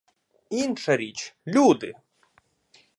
Інша річ — люди!